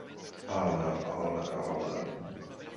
Ale, ale ale.